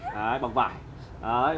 đấy bằng vải